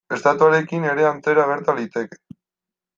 Estatuarekin ere antzera gerta liteke.